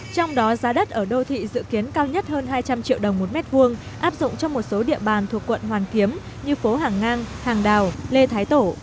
trong đó giá đất ở đô thị dự kiến cao nhất hơn hai trăm linh triệu đồng một mét vuông áp dụng cho một số địa bàn thuộc quận hoàn kiếm như phố hàng ngang hàng đào lê thái tổ